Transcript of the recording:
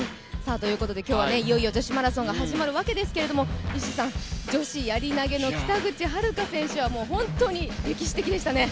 今日はいよいよ女子マラソンが始まるわけですけれども女子やり投の北口榛花選手は本当に歴史的でした。